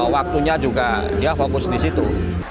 waktunya juga dia fokus disitu